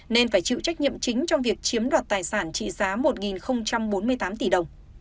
nên phải chịu trách nhiệm chính trong việc chiếm đoạt tài sản trị giá một bốn mươi tám tỷ đồng